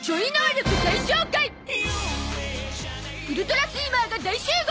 ウルトラスイマーが大集合！